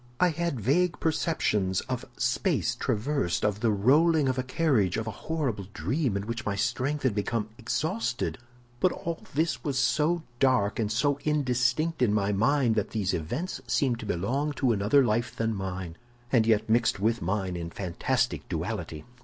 I had vague perceptions of space traversed, of the rolling of a carriage, of a horrible dream in which my strength had become exhausted; but all this was so dark and so indistinct in my mind that these events seemed to belong to another life than mine, and yet mixed with mine in fantastic duality.